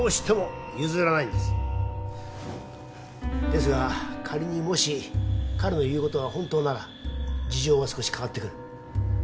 ですが仮にもし彼の言うことが本当なら事情が少し変わってくる。